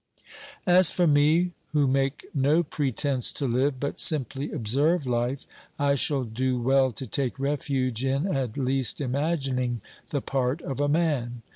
As for me, who make no pretence to live, but simply observe life, I shall do well to take refuge in at least im agining the part of a man.